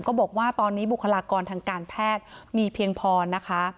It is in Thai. บอกว่าตอนนี้บุคลากรทางการแพทย์มีเพียงพอนะคะ